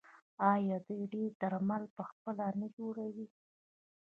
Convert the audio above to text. آیا دوی ډیری درمل پخپله نه جوړوي؟